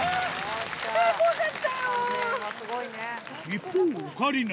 一方オカリナ